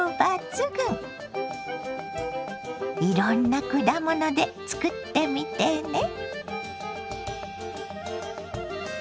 いろんな果物で作ってみてね。